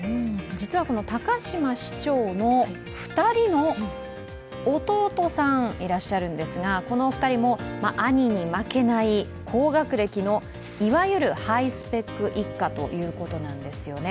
実は高島市長の２人の弟さん、いらっしゃるんですがこのお二人も兄に負けない高学歴のいわゆるハイスペック一家ということなんですよね。